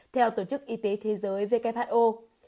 theo tổ chức y tế thế giới who